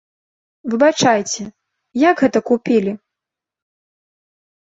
Выбачайце, як гэта купілі?